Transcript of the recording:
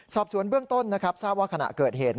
สอบสวนเบื้องต้นนะครับทราบว่าขณะเกิดเหตุ